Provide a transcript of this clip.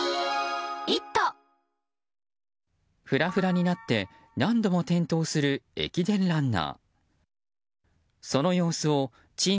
ふらふらになって何度も転倒する駅伝ランナー。